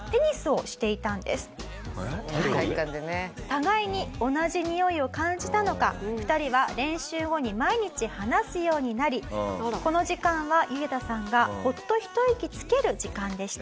互いに同じにおいを感じたのか２人は練習後に毎日話すようになりこの時間はユゲタさんがほっと一息つける時間でした。